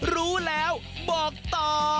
รู้แล้วบอกต่อ